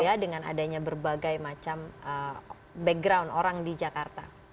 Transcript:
jadi kalian berdua punya berbagai macam background orang di jakarta